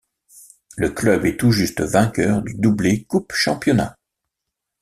Le club est tout juste vainqueur du doublé Coupe-Championnat.